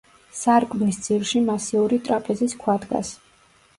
სარკმლის ძირში მასიური ტრაპეზის ქვა დგას.